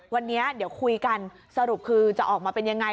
วันนี้เดี๋ยวคุยกันสรุปคือจะออกมาเป็นยังไง